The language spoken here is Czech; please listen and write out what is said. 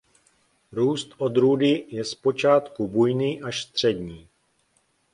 Růst odrůdy je zpočátku bujný až střední.